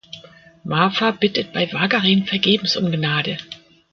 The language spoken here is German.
Marfa bittet bei Wagarin vergebens um Gnade.